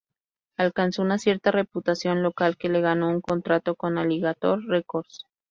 Alcanzó una cierta reputación local que le ganó un contrato con Alligator Records.